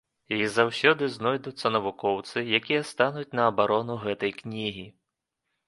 І заўсёды знойдуцца навукоўцы, якія стануць на абарону гэтай кнігі.